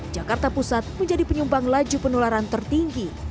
jakarta pusat menjadi penyumbang laju penularan tertinggi